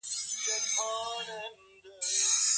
ښځو رسول الله ته د کوم آيت په اړه وويل؟